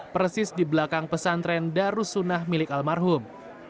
persis di belakang pesantren darussunnah milik almarhum